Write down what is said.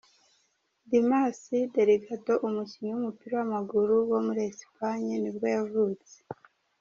Dimas Delgado, umukinnyi w’umupira w’amaguru wo muri Espagne nibwo yavutse.